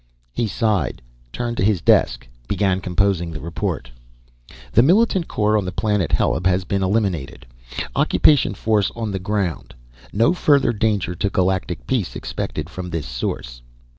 _ He sighed, turned to his desk, began composing the report: "The militant core on the Planet Heleb has been eliminated. Occupation force on the ground. No further danger to Galactic peace expected from this source.